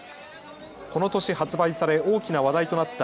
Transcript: この年発売され大きな話題となった